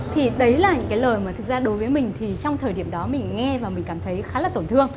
thì đấy là những cái lời mà thực ra đối với mình thì trong thời điểm đó mình nghe và mình cảm thấy khá là tổn thương